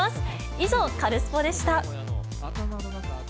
以上、カルスポっ！でした。